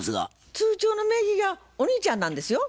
通帳の名義がお兄ちゃんなんですよ。